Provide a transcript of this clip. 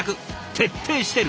徹底してる。